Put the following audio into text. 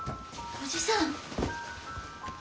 おじさん？